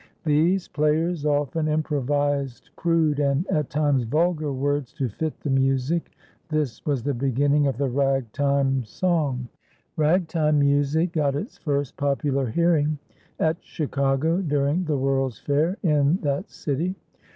These players often improvised crude and, at times, vulgar words to fit the music. This was the beginning of the Ragtime song. Ragtime music got its first popular hearing at Chicago during the world's fair in that city.